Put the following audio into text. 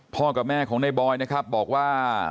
กับแม่ของในบอยนะครับบอกว่า